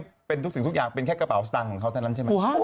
เป็นทุกสิ่งทุกอย่างเป็นแค่กระเป๋าสตางค์ของเขาเท่านั้นใช่ไหม